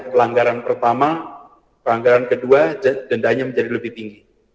pelanggaran pertama pelanggaran kedua dendanya menjadi lebih tinggi